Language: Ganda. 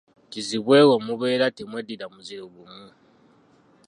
Kizibwe wo mubeera temweddira muziro gumu.